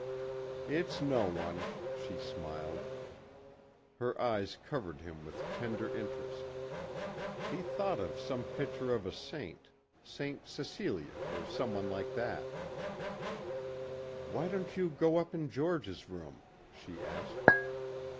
"It's no one," she smiled. Her eyes covered him with tender interest. He thought of some picture of a saint Saint Cecelia or someone like that. "Why don't you go up in George's room?" she asked.